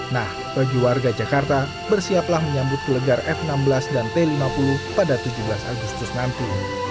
nah bagi warga jakarta bersiaplah menyambut gelegar f enam belas dan t lima puluh pada tujuh belas agustus nanti